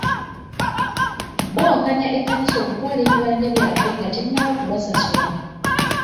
Bawakanya ekkanisa okutwala ebibanja byabwe nga tennaba kubasasula.